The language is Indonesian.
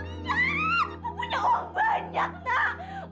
lihat ibu punya uang banyak